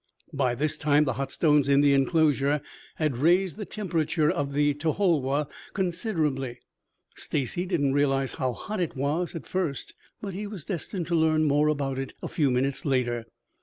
By this time the hot stones in the enclosure had raised the temperature of the to hol woh considerably. Stacy did not realize how hot it was at first, but he was destined to learn more about it a few minutes later.